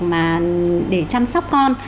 mà để chăm sóc con